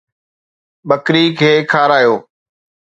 ٻڪري کي کارايو